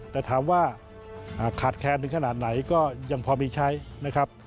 แต่ถามว่าขาดแคลนถึงขนาดไหนก็ยังพอมีใช้นะครับ